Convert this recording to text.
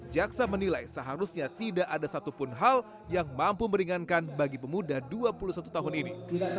jaksa menilai seharusnya tidak ada satupun hal yang mampu meringankan bagi pemuda dua puluh satu tahun ini